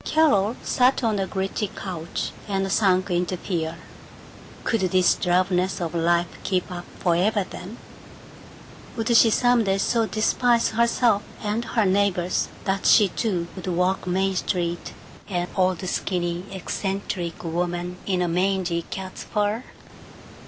Carol sat on the gritty couch, and sank into fear. Could this drabness of life keep up forever, then? Would she some day so despise herself and her neighbors that she too would walk Main Street an old skinny eccentric woman in a mangy cat's fur?